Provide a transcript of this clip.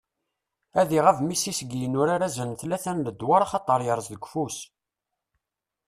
Ad iɣab Messi seg yinurar azal n tlata n ledwar axaṭer yerreẓ deg ufus.